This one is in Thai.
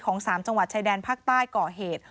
๓จังหวัดชายแดนภาคใต้ก่อเหตุ